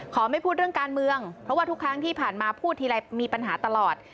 ไม่พูดเรื่องการเมืองเพราะว่าทุกครั้งที่ผ่านมาพูดทีไรมีปัญหาตลอด